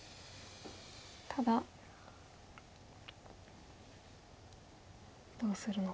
ただどうするのか。